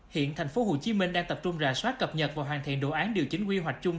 hiện tp hcm đang tập trung rà soát cập nhật và hoàn thiện đồ án điều chỉnh quy hoạch chung